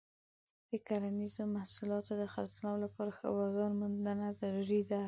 د کرنیزو محصولاتو د خرڅلاو لپاره ښه بازار موندنه ضروري ده.